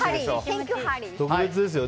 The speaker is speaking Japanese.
特別ですよ。